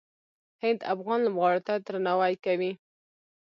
هند افغان لوبغاړو ته درناوی کوي.